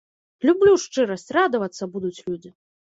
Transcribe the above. Люблю шчырасць, радавацца будуць людзі.